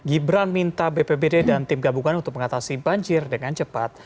gibran minta bpbd dan tim gabungan untuk mengatasi banjir dengan cepat